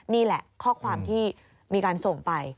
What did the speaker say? นี่แหละข้อความที่มีการส่งไป